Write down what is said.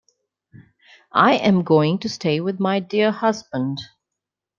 I am going to stay with my dear husband.